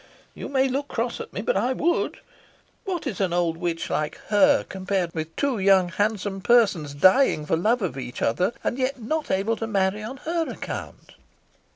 You may look cross at me, but I would. What is an old witch like her, compared with two young handsome persons, dying for love of each other, and yet not able to marry on her account?"